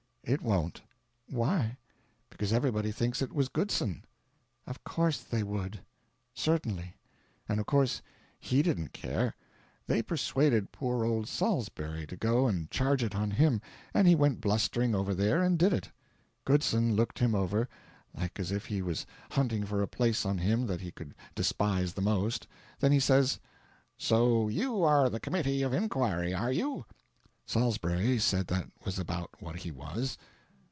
"It won't." "Why?" "Because everybody thinks it was Goodson." "Of course they would!" "Certainly. And of course HE didn't care. They persuaded poor old Sawlsberry to go and charge it on him, and he went blustering over there and did it. Goodson looked him over, like as if he was hunting for a place on him that he could despise the most; then he says, 'So you are the Committee of Inquiry, are you?' Sawlsberry said that was about what he was.